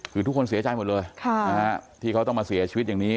คือทุกคนเสียใจหมดเลยที่เขาต้องมาเสียชีวิตอย่างนี้